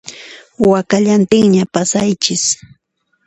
Wakallantinña pasaychis